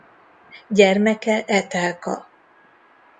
Gyermeke Etelka.